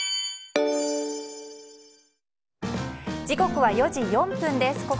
時刻は４時４分です。